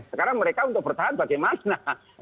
sekarang mereka untuk bertahan bagaimana